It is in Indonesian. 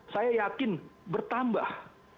saya yakin bertambah